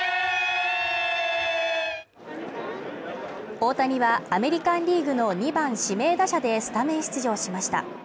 大谷はアメリカン・リーグの２番指名打者でスタメン出場しました。